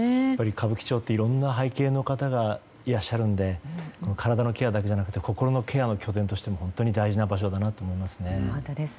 歌舞伎町っていろんな背景の方がいらっしゃるので体のケアだけじゃなくて心のケアの拠点としても本当に大事な場所だなと思いますね。